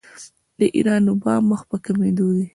د ایران اوبه مخ په کمیدو دي.